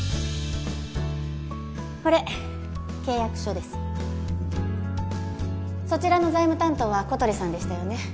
これ契約書ですそちらの財務担当は小鳥さんでしたよね